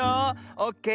オッケー。